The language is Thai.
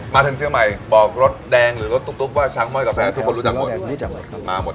มาถึงเชื่อมัยบอกรถแดงหรือรถตุ๊กว่าช้างม่อยกับแฟร์ทุกคนรู้จักหมด